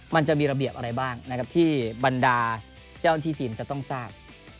มันจะมีระเบียบอะไรบ้างนะครับที่บรรดาเจ้าที่ทีมจะต้องทราบ